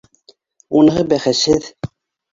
—Уныһы бәхәсһеҙ!